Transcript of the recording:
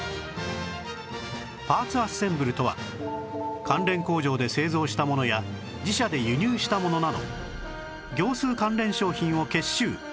パーツアッセンブルとは関連工場で製造したものや自社で輸入したものなど業スー関連商品を結集